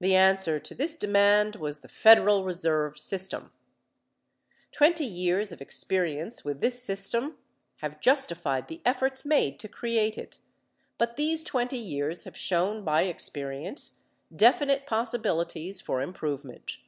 The answer to this demand was the Federal Reserve System. Twenty years of experience with this system have justified the efforts made to create it, but these twenty years have shown by experience definite possibilities for improvement.